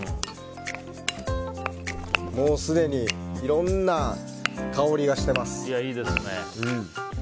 もう、すでにいろんな香りがしています。